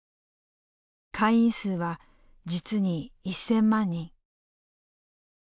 会員数は実に１，０００万人。